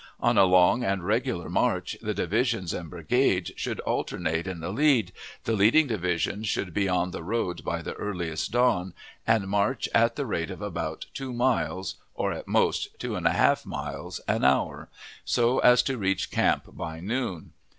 On a long and regular march the divisions and brigades should alternate in the lead, the leading division should be on the road by the earliest dawn, and march at the rate of about two miles, or, at most, two and a half miles an hour, so as to reach camp by noon.